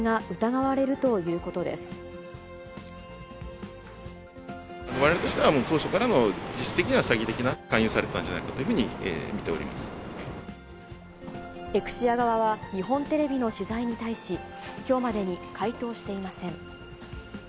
われわれとしては当初から、もう実質的には詐欺的な、勧誘されてたんじゃないかというふうにエクシア側は日本テレビの取材に対し、きょうまでに回答していません。